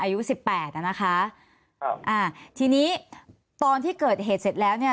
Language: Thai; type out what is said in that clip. อายุสิบแปดอ่ะนะคะครับอ่าทีนี้ตอนที่เกิดเหตุเสร็จแล้วเนี่ย